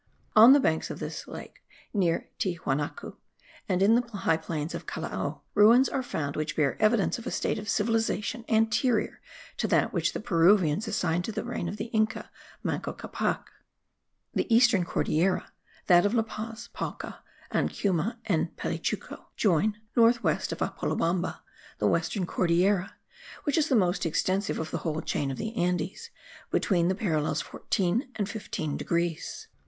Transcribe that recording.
On the banks of this lake, near Tiahuanacu, and in the high plains of Callao, ruins are found which bear evidence of a state of civilization anterior to that which the Peruvians assign to the reign of the Inca Manco Capac. The eastern Cordillera, that of La Paz, Palca, Ancuma, and Pelechuco, join, north west of Apolobamba, the western Cordillera, which is the most extensive of the whole chain of the Andes, between the parallels 14 and 15 degrees.